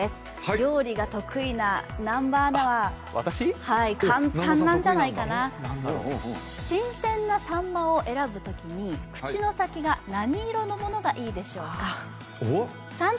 料理が得意な南波アナは簡単なんじゃないかな新鮮なさんまを選ぶときに口の先が何色のものがいいでしょうか？